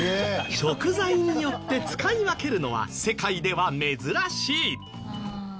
食材によって使い分けるのは世界では珍しい。